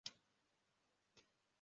Imbwa ni umubiri w'amazi